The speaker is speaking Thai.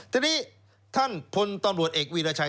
ทีนี้ท่านพลตำรวจเอกวีรชัย